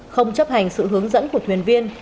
không chấp hành sự hướng dẫn của thuyền viên